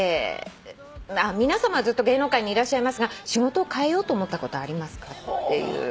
「皆さまはずっと芸能界にいらっしゃいますが仕事を変えようと思ったことありますか？」っていう。